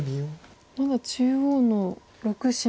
まだ中央の６子も。